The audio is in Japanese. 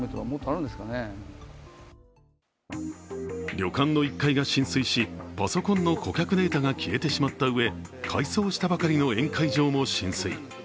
旅館の１階が浸水し、パソコンの顧客データが消えてしまったうえ改装したばかりの宴会場も浸水。